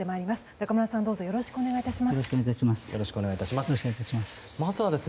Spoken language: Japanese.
中村さん、どうぞよろしくお願い致します。